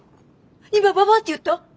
今ババアって言った？